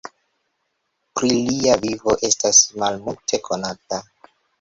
Pri lia vivo estas malmulte konata.